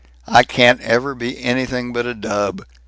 I can't ever be anything but a dub!